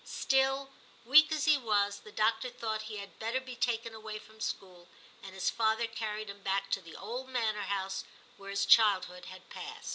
Still, weak as he was, the doctor thought he had better be taken away from school, and his father carried him back to the old manor house where his childhood had past.